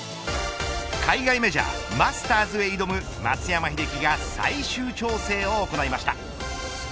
海外メジャーマスターズへ挑む松山英樹が最終調整を行いました。